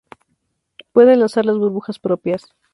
Pueden lanzar las burbujas propias.